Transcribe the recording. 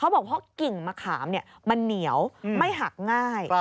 เขาบอกว่าเพราะกิ่งมะขามนี่มันเหนียวไม่หักง่าย